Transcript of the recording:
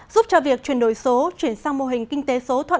giúp cho việc chuyển đổi số chuyển sang mô hình kinh tế số